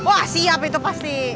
wah siap itu pasti